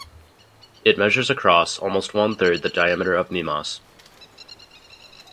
It measures across, almost one third the diameter of Mimas.